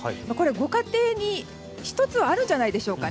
ご家庭には１つあるんじゃないでしょうか。